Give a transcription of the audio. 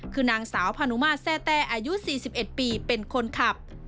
คือนางสาวพานุมาตรแซ่แต้อายุ๔๑ปีเป็นคนขับ